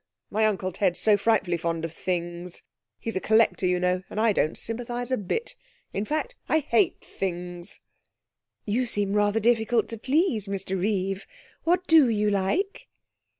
My Uncle Ted's so frightfully fond of Things. He's a collector, you know, and I don't sympathise a bit. In fact, I hate things.' 'You seem rather difficult to please, Mr Reeve. What do you like?'